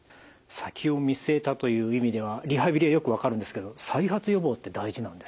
先を見据えたという意味ではリハビリはよく分かるんですけど再発予防って大事なんですか？